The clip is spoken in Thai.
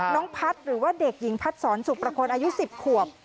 น้องพัฒน์หรือว่าเด็กหญิงพัดสอนสุประคลอายุ๑๐ขวบ